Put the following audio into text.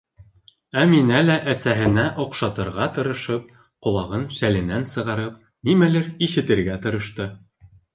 Әминә лә әсәһенә оҡшатырға тырышып ҡолағын шәленән сығарып нимәлер ишетергә тырышты.